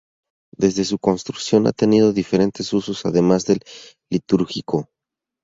Desde su construcción ha tenido diferentes usos además del litúrgico.